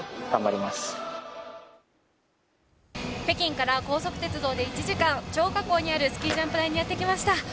北京から高速鉄道で１時間、張家口にあるスキージャンプ台にやってきました。